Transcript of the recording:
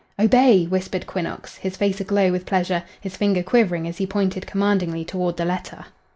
"Obey!" whispered Quinnox, his face aglow with pleasure, his finger quivering as he pointed commandingly toward the letter.